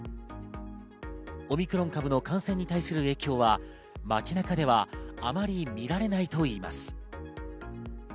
オミクロン株の感染に対する影響は街中ではあまり見られないといいます。